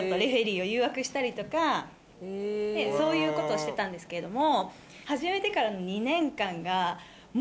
そういうことをしてたんですけれども。